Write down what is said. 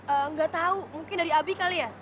eeeh nggak tau mungkin dari abi kali ya